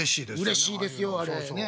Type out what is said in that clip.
うれしいですよあれね。